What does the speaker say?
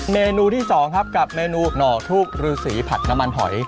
เมนูที่๒ครับกับเมนูหน่อทูบรือสีผัดน้ำมันหอย